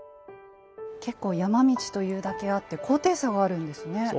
結構山道と言うだけあって高低差があるんですね。